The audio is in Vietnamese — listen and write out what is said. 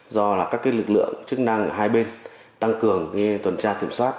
do các lực lượng chức năng của hai bên tăng cường tuần tra kiểm soát